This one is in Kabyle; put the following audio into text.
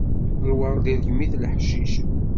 Lweṛd irgem-it leḥcic.